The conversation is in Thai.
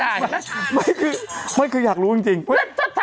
ไม่เหมือนเลยนะ